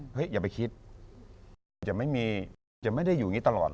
เฮ้ยอย่าไปคิดจะไม่ได้อยู่อย่างนี้ตลอดอ่ะ